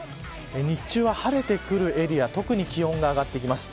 日中は、晴れてくるエリア特に気温が上がってきます。